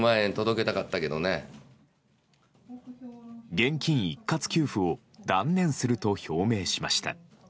現金一括給付を断念すると表明しました。